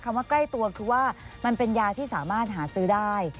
ว่าใกล้ตัวคือว่ามันเป็นยาที่สามารถหาซื้อได้